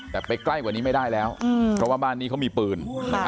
แต่ไปใกล้กว่านี้ไม่ได้แล้วเพราะว่าบ้านนี้เขามีปืน